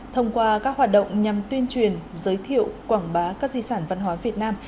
thông qua các hoạt động nhằm tuyên truyền giới thiệu quảng bá các di sản văn hóa việt nam